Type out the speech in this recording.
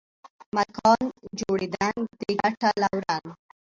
مکان جوړېدنک دې ګټه لورن